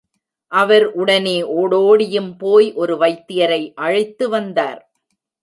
அவர் உடனே ஓடோடியும் போய் ஒரு வைத்தியரை அழைத்து வந்தார்.